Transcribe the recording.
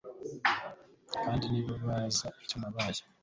kandi nibaza icyo nabaye